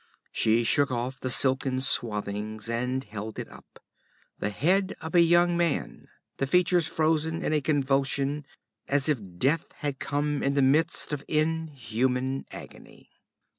She shook off the silken swathings and held it up the head of a young man, the features frozen in a convulsion as if death had come in the midst of inhuman agony.